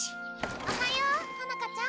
おはよう穂乃果ちゃん。